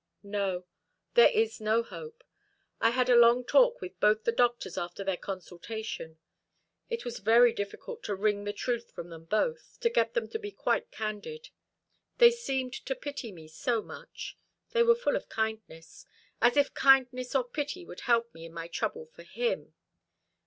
"No, there is no hope. I had a long talk with both the doctors after their consultation. It was very difficult to wring the truth from them both to get them to be quite candid. They seemed to pity me so much. They were full of kindness. As if kindness or pity would help me in my trouble for _him!